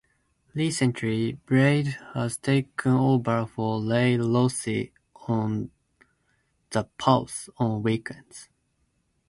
Recently, Blade has taken over for Ray Rossi on "The Pulse" on weekends.